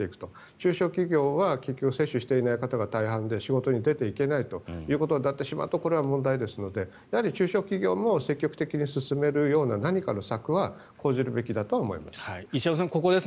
中小企業は結局、接種していない方が大半で仕事に出ていけないということになってしまうとこれは問題ですので中小企業も積極的に進めるような何かの策は講じるべきだとは思います。